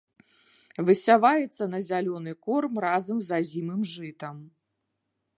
Высяваецца на зялёны корм разам з азімым жытам.